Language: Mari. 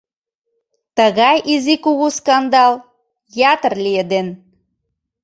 Тыгай изи-кугу скандал ятыр лиеден.